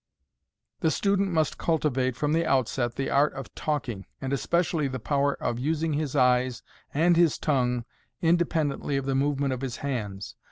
The student must cultivate from the outset the art of "talking," and especially the power of using his eyes and his tongue inde pendently of the movement of his hands.